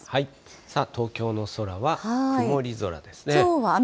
さあ、東京の空は曇り空ですね。